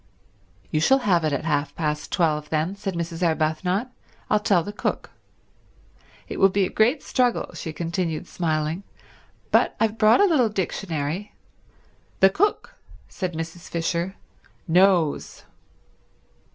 "You shall have it at half past twelve then," said Mrs. Arbuthnot. "I'll tell the cook. It will be a great struggle," she continued, smiling, "but I've brought a little dictionary—" "The cook," said Mrs. Fisher, "knows."